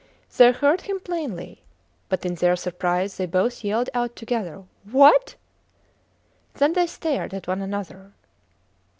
They heard him plainly, but in their surprise they both yelled out together: What! Then they stared at one another.